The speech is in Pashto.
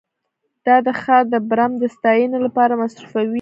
دا د ښار د برم د ستاینې لپاره مصرفوي